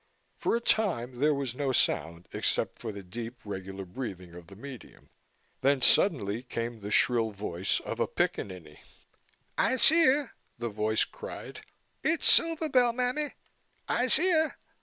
For a time there was no sound except for the deep regular breathing of the medium. Then suddenly came the shrill voice of a pickaninny. "I'se here," the voice cried. "It's Silver Bell, mammy, I'se here."